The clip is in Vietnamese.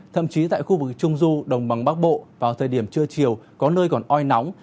thậm chí tại khu vực trung du đồng bằng bắc bộ vào thời điểm trưa chiều có nơi còn oi nóng